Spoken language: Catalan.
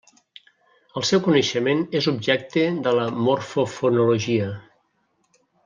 El seu coneixement és objecte de la morfofonologia.